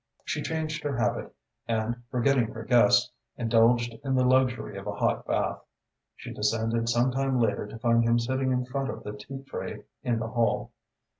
She changed her habit and, forgetting her guest, indulged in the luxury of a hot bath. She descended some time later to find him sitting in front of the tea tray in the hall.